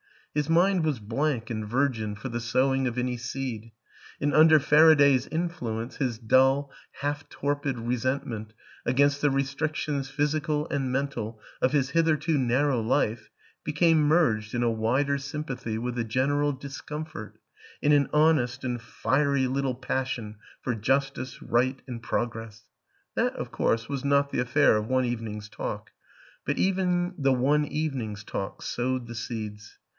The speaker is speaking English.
His mind was blank and virgin for the sowing of any seed; and under Faraday's influence his dull, half torpid resent ment against the restrictions, physical and mental, of his hitherto narrow life became merged in a wider sympathy with the general discomfort, in an honest and fiery little passion for Justice, Right and Progress. That, of course, was not the affair of one evening's talk; but even the one evening's talk sowed the seeds.